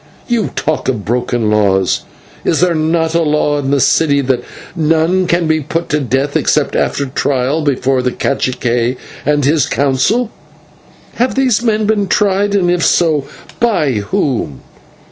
You talk of broken laws. Is there not a law in the city that none can be put to death except after trial before the /cacique/ and his Council? Have these men been tried, and if so, by whom?